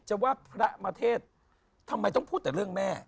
จะว่าพระมาเทศทำไมต้องพูดแต่เรื่องแม่